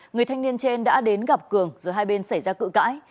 người thanh niên trên đã đến gặp cường rồi hai bên xảy ra cự cãi